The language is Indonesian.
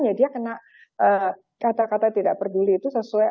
ya dia kena kata kata tidak peduli itu sesuai